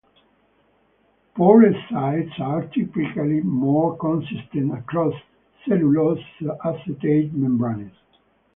Pore sizes are typically more consistent across cellulose acetate membranes.